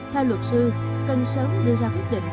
theo luật sư cần sớm đưa ra quyết định